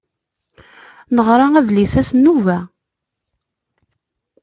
Neɣra adlis-a s nnuba.